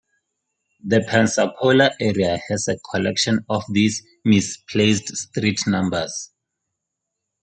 The Pensacola area has a collection of these "misplaced" street numbers.